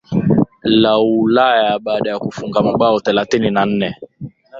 La Ulaya baada ya kufunga mabao thelathini na nne